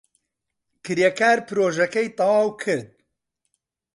کرێکار پرۆژەکەی تەواو کرد.